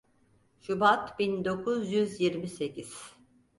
Şubat bin dokuz yüz yirmi sekiz.